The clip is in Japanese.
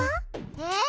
えっ？